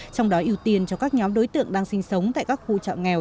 trong đó ưu tiên cho các nhóm đối tượng đang sinh sống tại các khu trọ nghèo